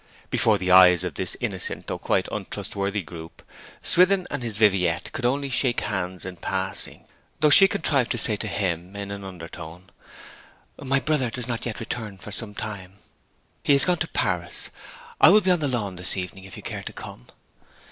Before the eyes of this innocent though quite untrustworthy group, Swithin and his Viviette could only shake hands in passing, though she contrived to say to him in an undertone, 'My brother does not return yet for some time. He has gone to Paris. I will be on the lawn this evening, if you can come.'